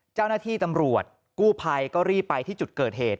เจ้าหน้าที่ตำรวจกู้ภัยก็รีบไปที่จุดเกิดเหตุ